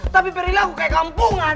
tapi perilaku kayak kampungan